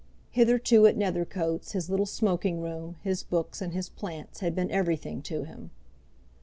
Hitherto at Nethercoats his little smoking room, his books, and his plants had been everything to him.